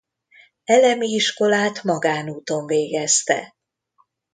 Elemi iskolát magánúton végezte.